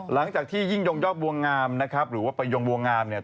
หลังจากที่ยิ่งยงยอดบัวงามนะครับหรือว่าประยงบัวงามเนี่ย